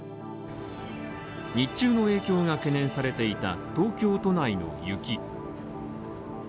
日中の影響が懸念されていた東京都内の雪。